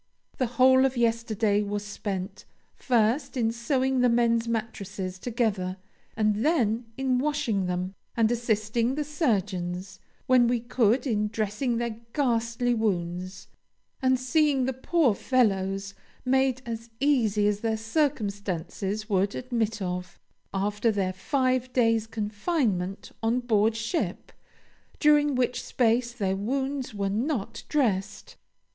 "The whole of yesterday was spent, first in sewing the men's mattresses together, and then in washing them, and assisting the surgeons, when we could, in dressing their ghastly wounds, and seeing the poor fellows made as easy as their circumstances would admit of, after their five days' confinement on board ship, during which space their wounds were not dressed....